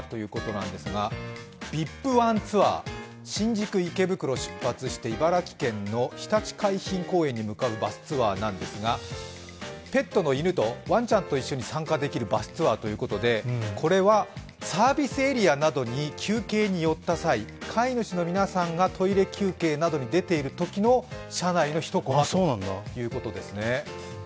ｖｉｐわんツアー、新宿・池袋を出発して茨城県のひたち海浜公園に向かうバスツアーなんですが、ペットの犬、ワンちゃんと一緒に参加できるバスツアーということでこれはサービスエリアなどに休憩に酔った際、飼い主の皆さんがトイレ休憩などに出ているときの車内の１コマということなんですね